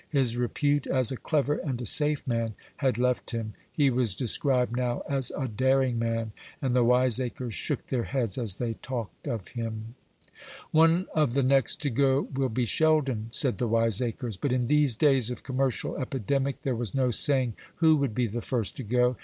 His repute as a clever and a safe man had left him. He was described now as a daring man; and the wiseacres shook their heads as they talked of him. "One of the next to go will be Sheldon," said the wiseacres; but in these days of commercial epidemic there was no saying who would be the first to go.